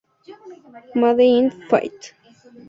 Made in Fiat".